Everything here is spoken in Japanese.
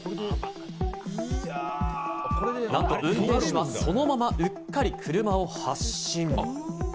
なんと運転手はそのままうっかり車を発進。